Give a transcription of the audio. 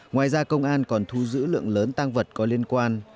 ngoài ra công an còn thu giữ lượng lớn tăng vật có liên quan